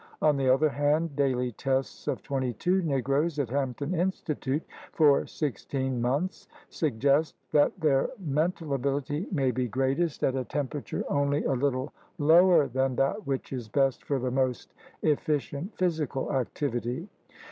On the other hand, daily tests of twenty two Negroes at Hampton In stitute for sixteen months suggest that their men tal ability may be greatest at a temperature only a little lower than that which is best for the most efficient physical activity.